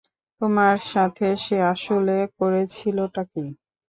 তোমার সাথে সে আসলে করেছিলটা কী?